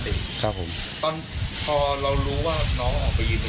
โท่หน้าเป็นน้องกลับเข้ามาดูห้องเงียบ